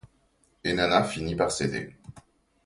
Et Nana finit par céder.